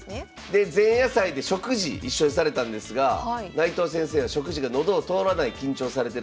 で前夜祭で食事一緒にされたんですが内藤先生は食事が喉を通らない緊張されてるから。